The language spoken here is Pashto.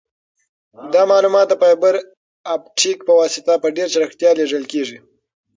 دا معلومات د فایبر اپټیک په واسطه په ډېر چټکتیا لیږل کیږي.